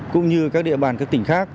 cũng như các địa bàn các tỉnh khác